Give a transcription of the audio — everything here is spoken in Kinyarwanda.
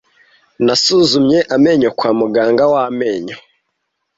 Nansuzumye amenyo kwa muganga w'amenyo.